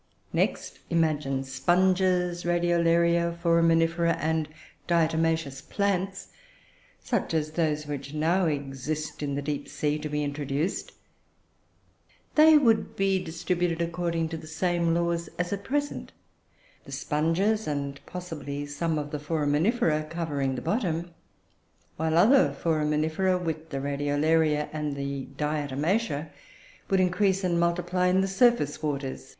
Next, imagine sponges, Radiolaria, Foraminifera, and diatomaceous plants, such as those which now exist in the deep sea, to be introduced: they would be distributed according to the same laws as at present, the sponges (and possibly some of the Foraminifera), covering the bottom, while other Foraminifera, with the Radiolaria and Diatomacea, would increase and multiply in the surface waters.